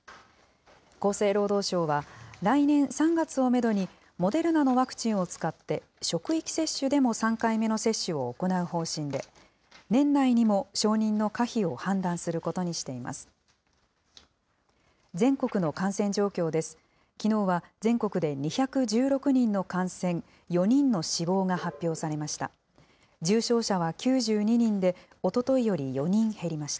厚生労働省は、来年３月をメドに、モデルナのワクチンを使って、職域接種でも３回目の接種を行う方針で、年内にも承認の可否を判断することにしています。